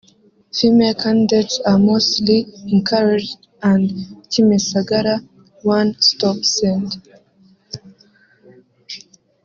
Female candidates are mostly encouraged and Kimisagara One Stop Center